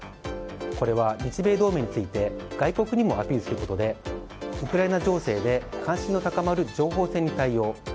これは日米同盟について外国にもアピールすることでウクライナ情勢で関心の高まる情報戦に対応。